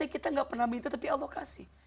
kita gak pernah minta tapi allah kasih